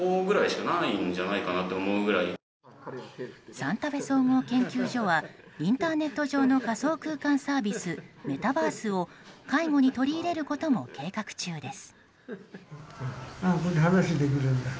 サンタフェ総合研究所はインターネット上の仮想空間サービスメタバースを、介護に取り入れることも計画中です。